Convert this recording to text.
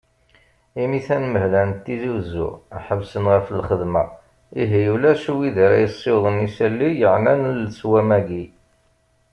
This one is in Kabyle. Imi tanmehla n Tizi Uzzu, ḥebsen ɣef lxedma, ihi ulac wid ara yessiwḍen isali yeɛnan leswam-agi.